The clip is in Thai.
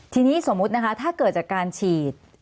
ทีนี้สมมุตินะคะถ้าเกิดจากการฉีด